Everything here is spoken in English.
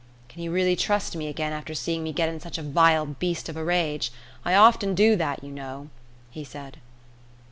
"Can you really trust me again after seeing me get in such a vile beast of a rage? I often do that, you know," he said.